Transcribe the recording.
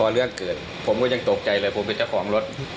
เรื่องเกิดผมก็ยังตกใจเลยผมเป็นเจ้าของรถ